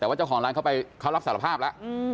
แต่ว่าเจ้าของร้านเขารับสารภาพแล้ว